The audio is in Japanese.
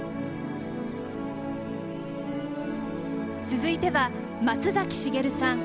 続いては松崎しげるさん